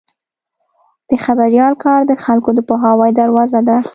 د خبریال کار د خلکو د پوهاوي دروازه ده.